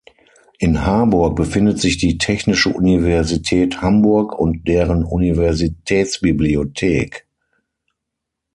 In Harburg befindet sich die Technische Universität Hamburg und deren Universitätsbibliothek.